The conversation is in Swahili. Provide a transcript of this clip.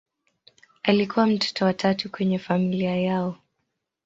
Alikuwa mtoto wa tatu kwenye familia yao.